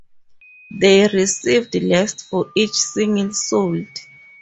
They received less for each single sold.